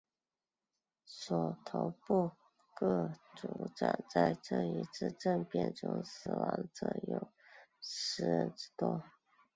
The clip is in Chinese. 索头部各酋长在这次政变中死亡者有数十人之多。